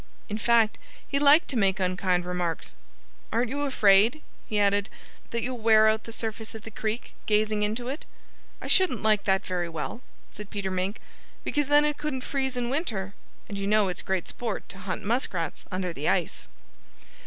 In fact he liked to make unkind remarks. "Aren't you afraid," he added, "that you'll wear out the surface of the creek, gazing into it? I shouldn't like that very well," said Peter Mink, "because then it couldn't freeze in winter, and you know it's great sport to hunt muskrats under the ice."